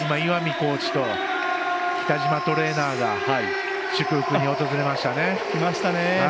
コーチと北島トレーナーが祝福に訪れましたね。